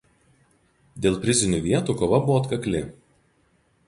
Dėl prizinių vietų kova buvo atkakli.